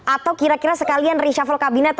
atau kira kira sekalian reshuffle kabinet